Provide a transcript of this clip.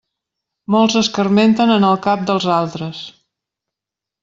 Molts escarmenten en el cap dels altres.